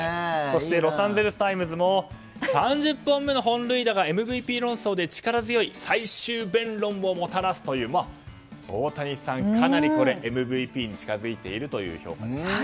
そしてロサンゼルス・タイムズも３０本目の本塁打がＭＶＰ論争で力強い最終弁論をもたらすという大谷さん、かなりＭＶＰに近づいているという評価でした。